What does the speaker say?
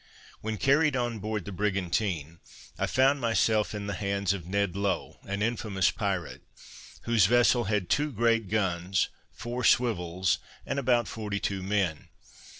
When carried on board the brigantine, I found myself in the hands of Ned Low, an infamous pirate, whose vessel had two great guns, four swivels, and about forty two men.